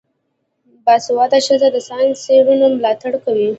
باسواده ښځې د ساینسي څیړنو ملاتړ کوي.